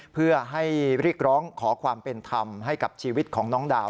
เพื่อให้เรียกร้องขอความเป็นธรรมให้กับชีวิตของน้องดาว